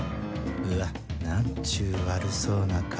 うわ何ちゅう悪そうな顔